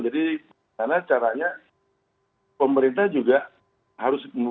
jadi karena caranya pemerintah juga harus bisa mendorong